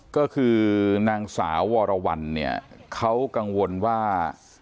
ก็คือนางสาววรวรรณเนี่ยเขากังวลว่า